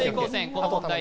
この問題